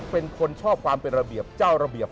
เป็นคนชอบความเป็นระเบียบเจ้าระเบียบ